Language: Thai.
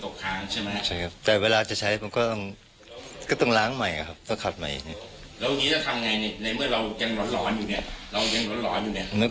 กลัวพิษมันจะตกค้างใช่ไหม